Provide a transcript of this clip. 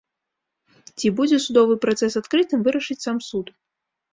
Ці будзе судовы працэс адкрытым, вырашыць сам суд.